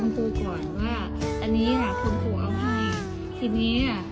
แสดงว่ามันใส่เยอะมันก็เลยหนักใช่มั้ย